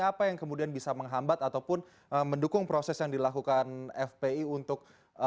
apa yang kemudian bisa menghambat ataupun mendukung proses yang dilakukan fpi untuk